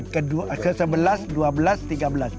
ke sebelas dua belas tiga belas